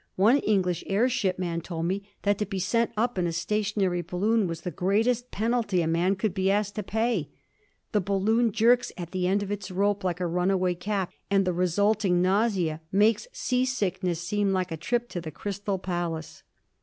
One English airship man told me that to be sent up in a stationary balloon was the greatest penalty a man could be asked to pay. The balloon jerks at the end of its rope like a runaway calf, and "the resulting nausea makes sea sickness seem like a trip to the Crystal Palace."